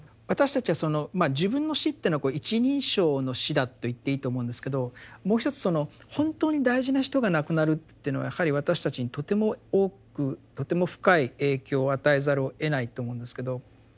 私たちはそのまあ自分の死っていうのは「一人称の死」だと言っていいと思うんですけどもう一つその本当に大事な人が亡くなるっていうのはやはり私たちにとても多くとても深い影響を与えざるをえないと思うんですけど。